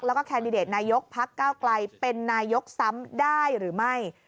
แล้วก็แคนดิเดตนายกพักเก้าไกลเป็นนายกซ้ำได้หรือไม่